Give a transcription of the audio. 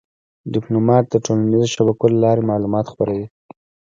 ډيپلومات د ټولنیزو شبکو له لارې معلومات خپروي.